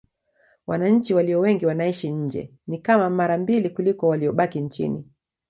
Wananchi walio wengi wanaishi nje: ni kama mara mbili kuliko waliobaki nchini.